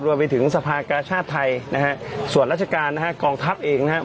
รวมไปถึงสภากาชาติไทยนะฮะส่วนราชการนะฮะกองทัพเองนะครับ